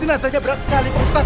jinazahnya berat sekali pak ustadz